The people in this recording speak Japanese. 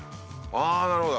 ああなるほど。